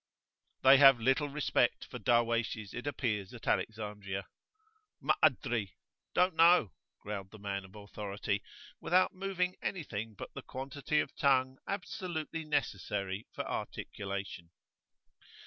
They have little respect for Darwayshes, it appears, at Alexandria. M'adri "Don't know," growled the man of authority, without moving any thing but the quantity of tongue absolutely necessary for articulation.